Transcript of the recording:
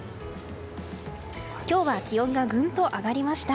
今日は気温がぐんと上がりました。